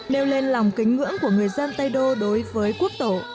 nêu lên lòng kính ngưỡng của người dân tây đô đối với quốc tổ